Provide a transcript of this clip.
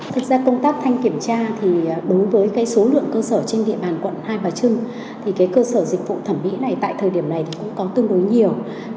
thực ra công tác thanh kiểm tra thì đối với số lượng cơ sở trên địa bàn quận hai bà trưng thì cơ sở dịch vụ thẩm mỹ này tại thời điểm này cũng còn tương đối nhiều